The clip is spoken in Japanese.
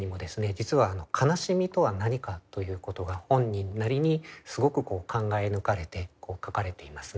実は「悲しみとは何か」ということが本人なりにすごく考え抜かれて書かれていますね。